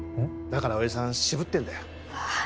だから親父さん渋ってんだようわー